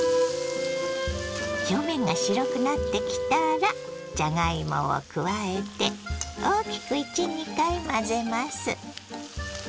表面が白くなってきたらじゃがいもを加えて大きく１２回混ぜます。